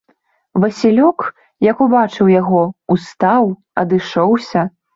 Васілёк, як убачыў яго, устаў, адышоўся.